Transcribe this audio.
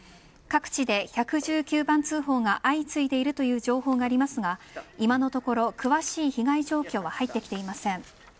各地で１１９番通報が相次いでいるという情報がありますが今のところ、詳しい被害状況は入ってきていません。